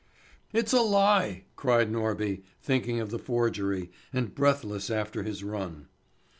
"It's a lie!" cried Norby, thinking of the forgery, and breathless after his run.